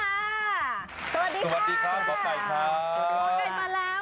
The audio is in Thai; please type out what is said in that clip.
สวัสดีค่ะหมอกัยมาแล้ว